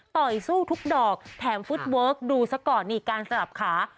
ต่อยสู้ทุกดอกแถมฟุตเวิร์คดูซะก่อนนี่การสลับขา